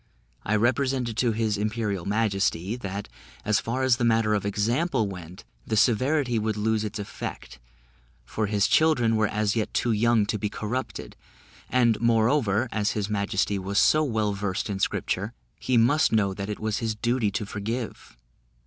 I represented to his imperial majesty, that, as far as the matter of example went, the severity would lose its effect; for his children were as yet too young to be corrupted; and, moreover, as his majesty was so well versed in scripture, he must know that it was his duty to forgive.